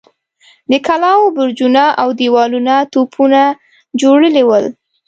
د کلاوو برجونه اودېوالونه توپونو خوړلي ول.